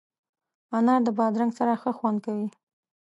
انار د بادرنګ سره ښه خوند کوي.